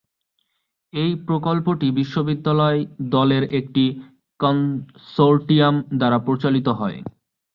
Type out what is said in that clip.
এই প্রকল্পটি বিশ্ববিদ্যালয় দলের একটি কনসোর্টিয়াম দ্বারা পরিচালিত হয়।